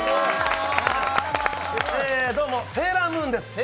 え、どうもセーラームーンです。